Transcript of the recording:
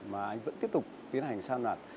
mà anh vẫn tiếp tục tiến hành san nạp